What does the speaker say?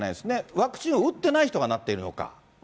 ワクチンを打ってない人がなっているのか。